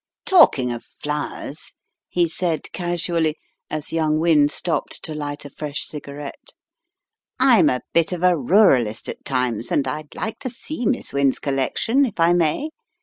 "Talking of flowers," he said, casually, as young Wynne stopped to light a fresh cigarette. "I'm a bit of a ruralist at times, and I'd like to see Miss Wynne's collection if I may.